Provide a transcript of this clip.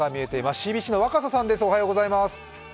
ＣＢＣの若狭さんです。